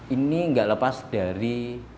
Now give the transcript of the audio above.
ini gak lepas dari